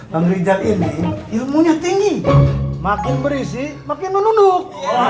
bang rijal ini ilmu nya tinggi makin berisi makin menunuk